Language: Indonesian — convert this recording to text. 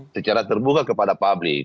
secara terbuka kepada publik